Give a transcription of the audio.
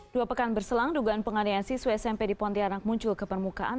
dua pekan berselang dugaan penganiayaan siswa smp di pontianak muncul ke permukaan